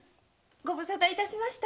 ご無沙汰いたしました。